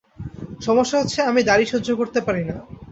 সমস্যা হচ্ছে, আমি দাড়ি সহ্য করতে পারি না।